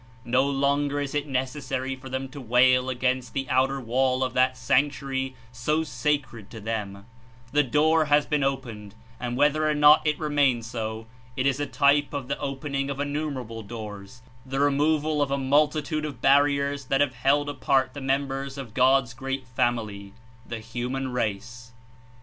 No longer is it necessary for them to wail against the outer wall of that Sanctuary so sacred to them; the door has been opened, and whether or not it remain so, it is a type of the opening of innumerable doors, the removal of a multitude of barriers that have held apart the members of God's great family, the human race.